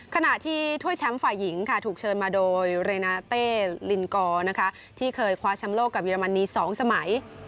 ขณะที่ถ้วยแชมป์ฝ่ายหญิงค่ะถูกเชิญมาโดยเรนาเต้ลินกอร์นะคะที่เคยคว้าแชมป์โลกกับเรมนี๒สมัย